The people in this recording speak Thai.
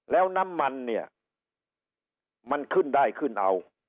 แล้วน้ำมันเนี่ยมันขึ้นได้ขึ้นเอา